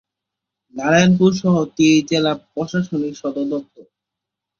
নারায়ণপুর শহরটি এই জেলার প্রশাসনিক সদর দফতর।